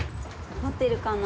残ってるかな？